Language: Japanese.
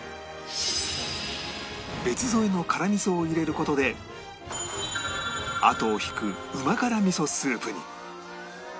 別添えの辛味噌を入れる事であとを引くうま辛味噌スープに